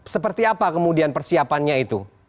seperti apa kemudian persiapannya itu